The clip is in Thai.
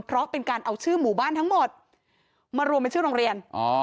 เพราะเป็นการเอาชื่อหมู่บ้านทั้งหมดมารวมเป็นชื่อโรงเรียน